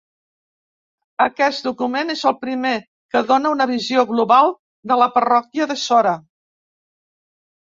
Aquest document és el primer que dóna una visió global de la parròquia de Sora.